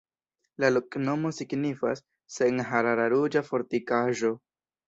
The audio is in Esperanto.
La loknomo signifas: senharara-ruĝa-fortikaĵo.